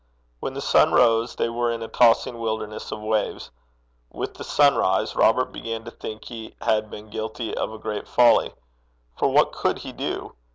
When the sun rose, they were in a tossing wilderness of waves. With the sunrise, Robert began to think he had been guilty of a great folly. For what could he do?